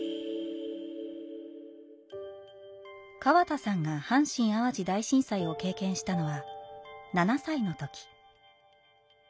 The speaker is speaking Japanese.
河田さんが阪神・淡路大震災を経験したのは７歳の時。